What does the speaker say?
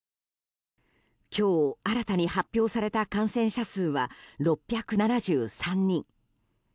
今日新たに発表された感染者数は６７３人。